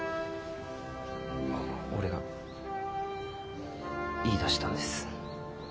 俺が言いだしたんです。